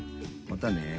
またね。